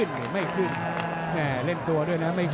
เย่อ๋อไม่ขึ้นเห็นตัวด้วยน่ะไม่ขึ้น